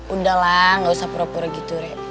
udah lah gak usah pura pura gitu re